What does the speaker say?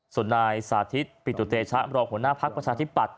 ส่วนนายสาธิตปิตุเตชะบรผู้น่าพักษ์ประชาธิปัตย์